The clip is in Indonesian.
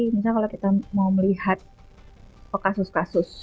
misalnya kalau kita mau melihat kasus kasus